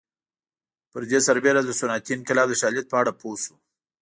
پر دې سربېره د صنعتي انقلاب د شالید په اړه پوه شو